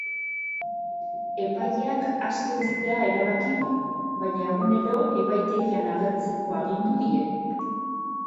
Epaileak aske uztea erabaki du, baina egunero epaitegian agertzeko agindu die.